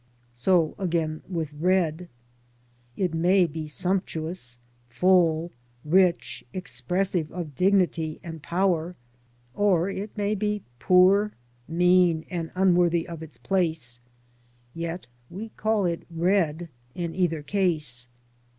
So again with red. It may be sumptuous, full, rich, ex pressive of dignity and power; or it may be poor, mean, and unworthy of its place ; yet we call it " red " in either case.